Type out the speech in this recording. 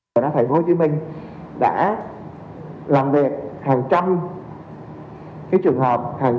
khi chúng ta gặp khó khăn